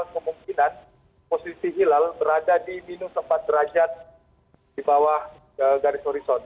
kemungkinan posisi hilal berada di minus empat derajat di bawah garis horizon